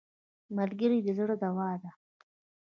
ملګری د زړه دوا ده